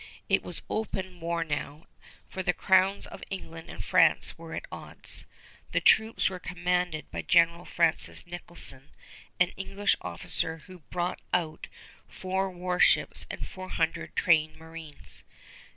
It was open war now, for the crowns of England and France were at odds. The troops were commanded by General Francis Nicholson, an English officer who brought out four war ships and four hundred trained marines.